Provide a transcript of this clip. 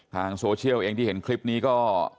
ทางโซเชียลเองที่เห็นคลิปนี้ก็